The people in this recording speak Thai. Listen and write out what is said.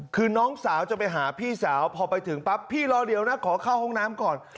คือน้องสาวจะไปหาพี่สาวพอไปถึงปั๊บพี่รอเดี๋ยวนะขอเข้าห้องน้ำก่อน